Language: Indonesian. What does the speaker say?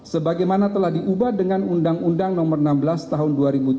sebagaimana telah diubah dengan undang undang nomor enam belas tahun dua ribu tujuh belas